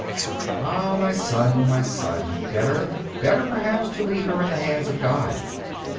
'Ah, my son, my son! Better, better, perhaps, to leave her in the hands of God!